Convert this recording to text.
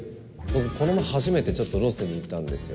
この前初めてちょっとロスに行ったんですよ。